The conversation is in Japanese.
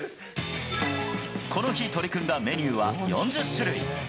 この日、取り組んだメニューは４０種類。